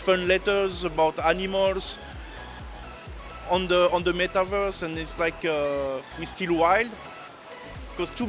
ini sangat menarik